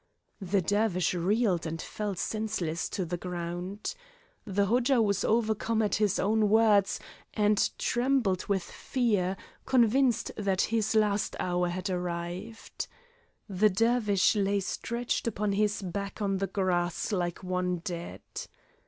The Dervish reeled and fell senseless to the ground. The Hodja was overcome at his own words and trembled with fear, convinced that his last hour had arrived. The Dervish lay stretched upon his back on the grass like one dead.